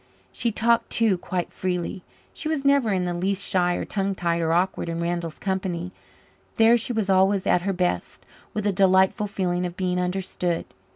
She talked too quite freely; she was never in the least shy or tongue tied or awkward in Randall's company. There she was always at her best, with a delightful feeling of being understood.